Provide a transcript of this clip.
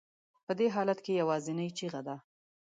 په دې حالت کې یوازینۍ چیغه ده.